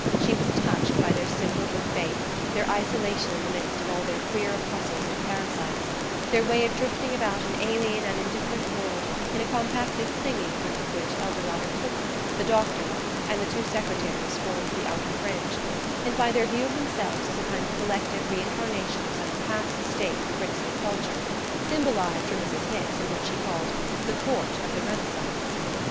She was touched by their simple good faith, their isolation in the midst of all their queer apostles and parasites, their way of drifting about an alien and indifferent world in a compactly clinging group of which Eldorada Tooker, the doctor and the two secretaries formed the outer fringe, and by their view of themselves as a kind of collective re incarnation of some past state of princely culture, symbolised for Mrs. Hicks in what she called "the court of the Renaissance."